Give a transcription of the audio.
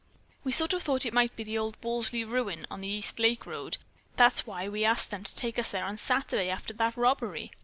We sort of thought it might be in the old Walsley ruin on the East Lake Road. That's why we asked them to take us there Saturday after that robbery.